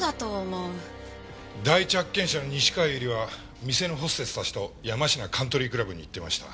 第一発見者の西川由梨は店のホステスたちと山科カントリークラブに行っていました。